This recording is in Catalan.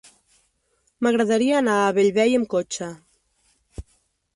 M'agradaria anar a Bellvei amb cotxe.